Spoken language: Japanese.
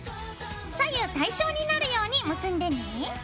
左右対称になるように結んでね。